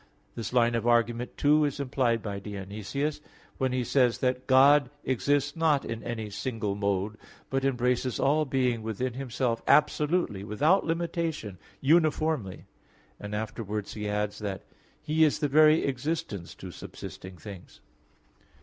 This line of argument, too, is implied by Dionysius (Div. Nom. v), when he says that, "God exists not in any single mode, but embraces all being within Himself, absolutely, without limitation, uniformly;" and afterwards he adds that, "He is the very existence to subsisting things."